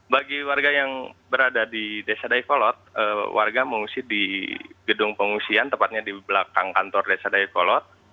bagi warga yang berada di desa dayakolot warga mengungsi di gedung pengungsian tepatnya di belakang kantor desa dayakolot